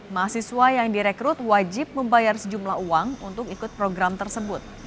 mahasiswa yang direkrut wajib membayar sejumlah uang untuk ikut program tersebut